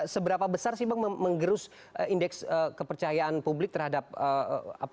seberapa besar sih bang menggerus indeks kepercayaan publik terhadap penanganan kasus kasus